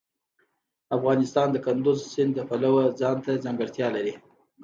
افغانستان د کندز سیند د پلوه ځانته ځانګړتیا لري.